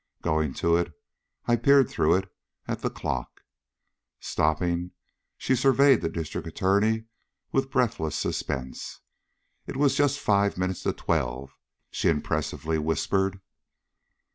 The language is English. Going to it, I peered through it at the clock." Stopping, she surveyed the District Attorney with breathless suspense. "It was just five minutes to twelve," she impressively whispered.